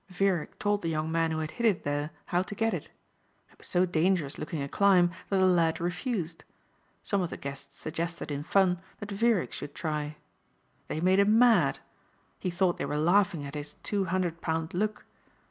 Vierick told the young man who had hit it there how to get it. It was so dangerous looking a climb that the lad refused. Some of the guests suggested in fun that Vierick should try. They made him mad. He thought they were laughing at his two hundred pound look.